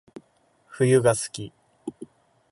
冬が好き